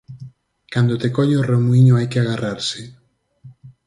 Cando te colle o remuíño hai que agarrarse.